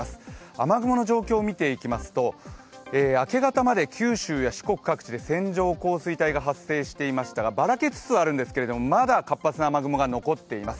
雨雲の状況を見ていきますと明け方まで九州や四国各地で線状降水帯が発生していましたがばらけつつあるんですけど、まだ活発な雨雲が残っています。